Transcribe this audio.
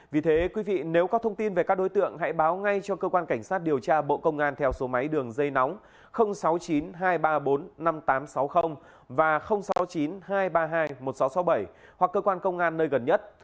vì thế quý vị nếu có thông tin về các đối tượng hãy báo ngay cho cơ quan cảnh sát điều tra bộ công an theo số máy đường dây nóng sáu mươi chín hai trăm ba mươi bốn năm nghìn tám trăm sáu mươi và sáu mươi chín hai trăm ba mươi hai một nghìn sáu trăm sáu mươi bảy hoặc cơ quan công an nơi gần nhất